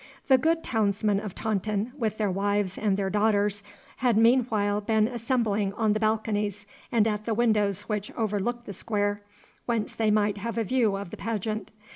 The good townsmen of Taunton, with their wives and their daughters, had meanwhile been assembling on the balconies and at the windows which overlooked the square, whence they might have a view of the pageant.